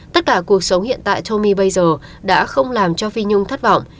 tất cả cuộc sống hiện tại chomi bây giờ đã không làm cho phi nhung thất vọng